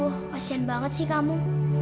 tuh kasihan banget sih kamu